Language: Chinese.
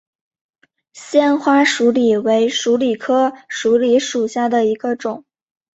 纤花鼠李为鼠李科鼠李属下的一个种。